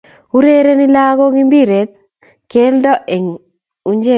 Urereni lagook impiretab keldo eng unjeet.